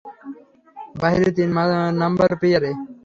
বাহিরে, তিন নাম্বার পিয়ারে।